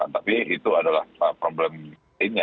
tapi itu adalah problem lainnya